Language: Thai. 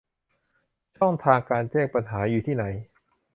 ช่องทางการแจ้งปัญหาอยู่ที่ไหน